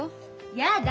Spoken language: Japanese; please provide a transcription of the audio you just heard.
やだ！